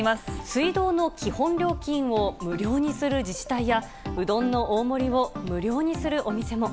水道の基本料金を無料にする自治体や、うどんの大盛りを無料にするお店も。